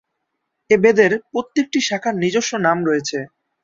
এই বেদের প্রত্যেকটি শাখার নিজস্ব নাম রয়েছে।